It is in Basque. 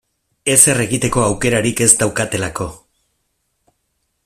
Ezer egiteko aukerarik ez daukatelako.